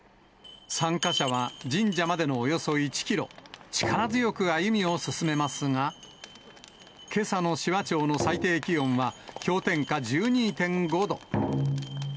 参加者は神社までのおよそ１キロ、力強く歩みを進めますが、けさの紫波町の最低気温は、氷点下１２．５度。